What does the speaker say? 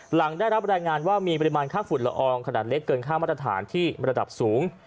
หลังได้รับรายงานว่ามีปริมาณค่าฝุ่นละอองขนาดเล็กเกินค่ามาตรฐานที่ระดับสูง